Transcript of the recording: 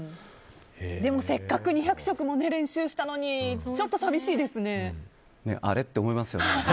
でもせっかく２００食も練習したのにあれ？って思いますよね。